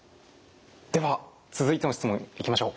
では続いての質問いきましょう。